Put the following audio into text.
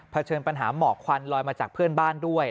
เชิญปัญหาหมอกควันลอยมาจากเพื่อนบ้านด้วย